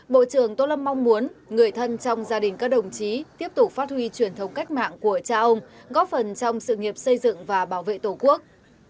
bộ trưởng tô lâm mong muốn người thân trong gia đình các đồng chí tiếp tục phát huy truyền thống cách mạng của cha ông góp phần trong sự nghiệp xây dựng và bảo vệ tổ quốc